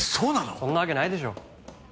そんなわけないでしょう。